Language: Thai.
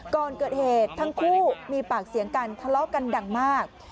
ก่อนเกิดเหตุทั้งคู่มีปากเสียงกันทะเลาะกันดังมาก